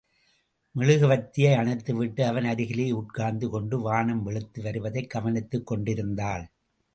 மெழுகுவர்த்தியை அணைத்துவிட்டு அவன் அருகிலே உட்கார்ந்து கொண்டு வானம் வெளுத்து வருவதைக் கவனித்துக் கொண்டிருந்தாள்.